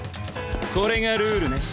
これがルールね。